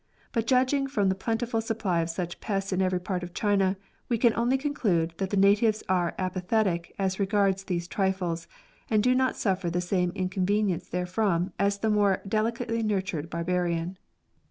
but judging from the plentiful supply of such pests in every part of China, we can only conclude that the natives are apathetic as regards these trifles, and do not sufier the same inconvenience therefrom as the more delicately nurtured barbarian.